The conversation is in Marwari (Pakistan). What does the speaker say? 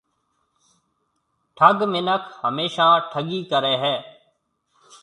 ٺَگ مِنک هميشا ٺَگِي ڪريَ هيَ۔